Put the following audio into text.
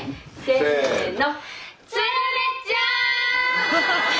せの！